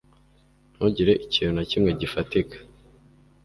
Ntugire ikintu na kimwe gifatika